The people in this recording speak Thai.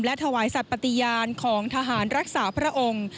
ถวายสัตว์ปฏิญาณของทหารรักษาพระองค์